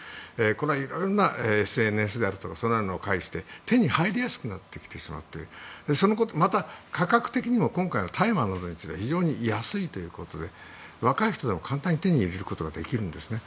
いろいろなＳＮＳであるとかを介して手に入りやすくなってきてしまってまた、価格的にも今回の大麻などについては非常に安いということで若い人でも簡単に手に入れることができるんです。